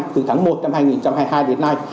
từ tháng một năm hai nghìn hai mươi hai đến nay